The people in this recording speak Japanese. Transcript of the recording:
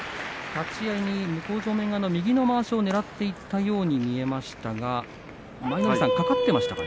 立ち合いに向正面側の右のまわしをねらっていったように見えましたが舞の海さんかかっていましたか？